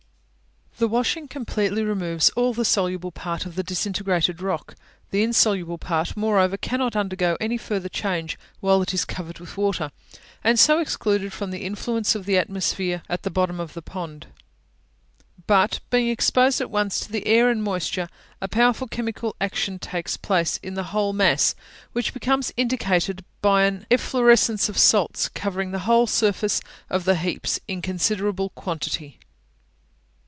The washing completely removes all the soluble part of the disintegrated rock; the insoluble part, moreover, cannot undergo any further change while it is covered with water, and so excluded from the influence of the atmosphere at the bottom of the pond. But being exposed at once to the air and moisture, a powerful chemical action takes place in the whole mass, which becomes indicated by an efflorescence of salts covering the whole surface of the heaps in considerable quantity.